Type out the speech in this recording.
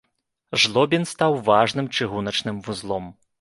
Жлобін стаў важным чыгуначным вузлом.